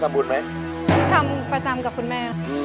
ทำประจำกับคุณแม่